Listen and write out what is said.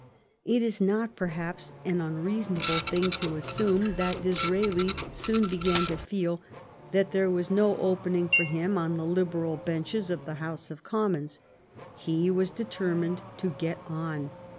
It is not, perhaps, an unreasonable thing to assume that Disraeli soon began to feel that there was no opening for him on the Liberal benches of the House of Com mons. He was determined to get on.